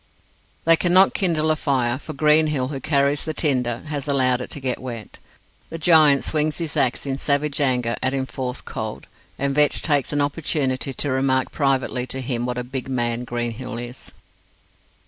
They cannot kindle a fire, for Greenhill, who carries the tinder, has allowed it to get wet. The giant swings his axe in savage anger at enforced cold, and Vetch takes an opportunity to remark privately to him what a big man Greenhill is.